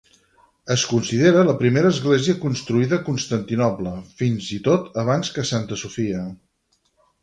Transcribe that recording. Es considera la primera església construïda a Constantinoble, fins i tot abans que Santa Sofia.